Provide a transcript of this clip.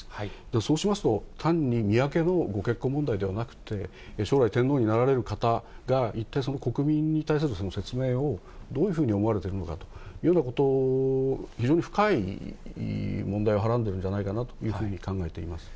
そうしますと、単に宮家のご結婚問題ではなくて、将来天皇になられる方が一体その国民に対する説明を、どういうふうに思われているのかというようなことを、非常に深い問題をはらんでるんじゃないかなというふうに考えています。